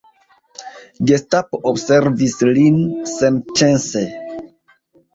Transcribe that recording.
Gestapo observis lin senĉese.